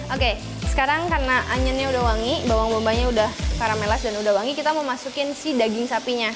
oke sekarang karena anyennya udah wangi bawang bombanya udah karamelas dan udah wangi kita mau masukin si daging sapinya